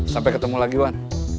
sampai ketemu lagi wan